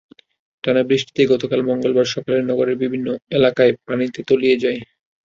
টানা বৃষ্টিতে গতকাল মঙ্গলবার সকালে নগরের বিভিন্ন এলাকা পানিতে তলিয়ে যায়।